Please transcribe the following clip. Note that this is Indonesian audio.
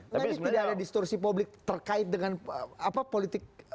tapi tidak ada distorsi publik terkait dengan apa politik islam politik misalnya dalam